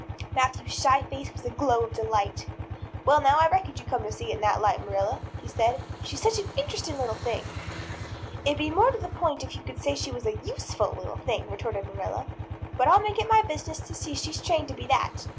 Matthew's shy face was a glow of delight. "Well now, I reckoned you'd come to see it in that light, Marilla," he said. "She's such an interesting little thing." "It'd be more to the point if you could say she was a useful little thing," retorted Marilla, "but I'll make it my business to see she's trained to be that.